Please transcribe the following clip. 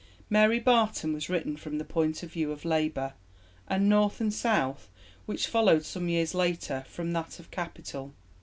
Mary Barton was written from the point of view of labour, and North and South, which followed some years later, from that of capital.